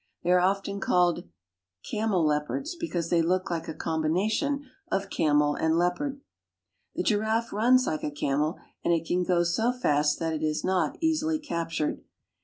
They are often called cameleop ards, because they look like a combination of camel and 1 and ^^H The giraffe runs like a camel, and it can go so fast that I is not easily captured.